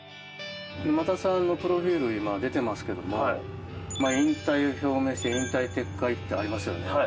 沼田さんのプロフィールが出ていますが引退表明をして引退撤回ってありますよね。